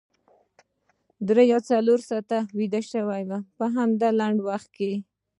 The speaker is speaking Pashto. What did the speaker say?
درې یا څلور ساعته ویده شوې وم په همدې لنډ وخت کې.